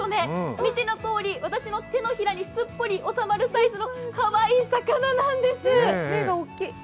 見てのとおり、私の手のひらにすっぽり収まるサイズのかわいい魚なんです。